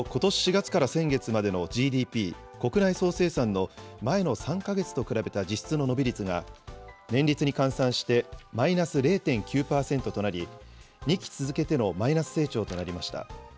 ４月から先月までのＧＤＰ・国内総生産の前の３か月と比べた実質の伸び率が、年率に換算してマイナス０．９％となり、２期続けてのマイナス成長となりました。